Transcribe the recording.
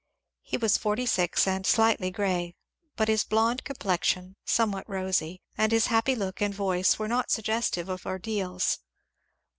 He was forty six and slightly grey, but his blond complexion — somewhat rosy — and his happy look and voice were not suggestive of or deals.